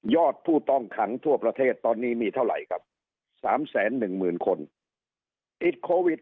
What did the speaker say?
ยอดผู้ต้องขังทั่วประเทศตอนนี้มีเท่าไรครับสามแสนหนึ่งหมื่นคน